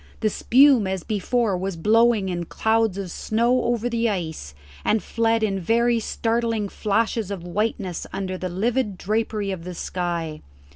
The spume as before was blowing in clouds of snow over the ice, and fled in very startling flashes of whiteness under the livid drapery of the sky.